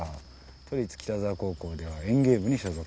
都立北沢高校では園芸部に所属。